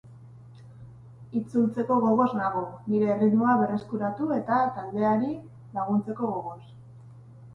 Itzultzeko gogoz nago, nire erritmoa berreskuratu eta talkdeari laguntzeko gogoz.